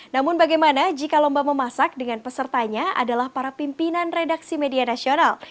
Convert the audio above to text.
namun bagaimana jika lomba memasak dengan pesertanya adalah para pimpinan redaksi media nasional